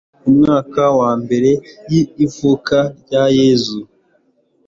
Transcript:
mwaka wa mbere y ivuka rya yezu